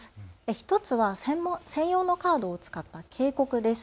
１つは専用のカードを使った警告です。